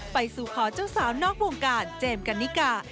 ไปสู่ขอเจ้าสาวนอกวงการเจมส์กันนิกา